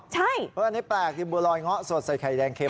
ใช่เพราะอันนี้แปลกจริงบัวรอยเหงาสดใส่ไข่แดงเข้ม